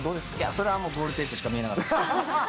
それはもう、ゴールテープしか見えなかったです。